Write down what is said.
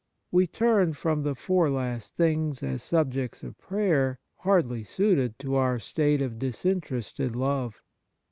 We turn from the Four Last Things as subjects of prayer hardly suited to our state of disinterested love.